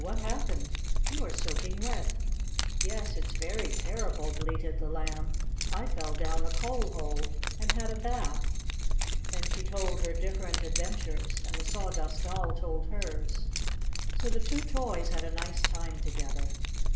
what happened? You are soaking wet!" "Yes, it's very terrible!" bleated the Lamb. "I fell down a coal hole and had a bath!" Then she told her different adventures, and the Sawdust Doll told hers, so the two toys had a nice time together.